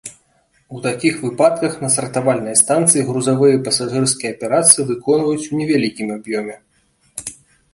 У такіх выпадках на сартавальнай станцыі грузавыя і пасажырскія аперацыі выконваюць у невялікім аб'ёме.